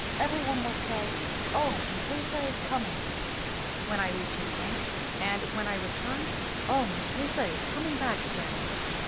Every one will say, 'Oh, Mutesa is coming!' when I reach England; and when I return, 'Oh, Mutesa is coming back again!'